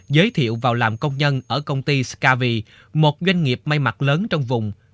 giới thiệu vào làm công nhân ở công ty scavi một doanh nghiệp may mặt lớn trong vùng